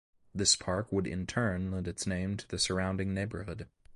This park would in turn lend its name to the surrounding neighborhood.